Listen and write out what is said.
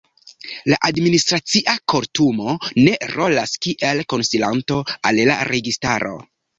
La Administracia Kortumo ne rolas kiel konsilanto al la registaro.